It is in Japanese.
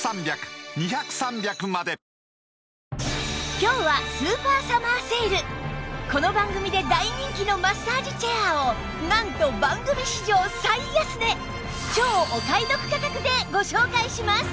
今日はこの番組で大人気のマッサージチェアをなんと番組史上最安値超お買い得価格でご紹介します！